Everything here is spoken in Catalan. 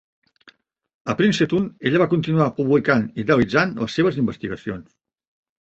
A Princeton ella va continuar publicant i realitzant les seves investigacions.